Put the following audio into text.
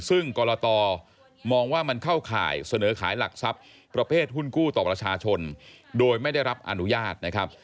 ซึ่งกรตมองว่ามันเข้าข่ายเสนอขายหลักทรัพย์ประเภทหุ้นกู้ต่อประชาชนโดยไม่ได้รับอนุญาตนะครับ